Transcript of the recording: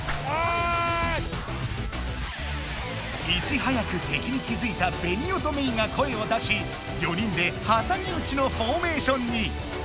いちはやく敵に気づいたベニオとメイが声を出し４人ではさみうちのフォーメーションに。